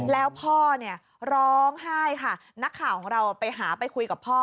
แล้วพ่อเนี่ยร้องไห้ค่ะนักข่าวของเราไปหาไปคุยกับพ่อ